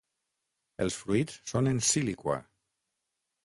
Els fruits són en síliqua.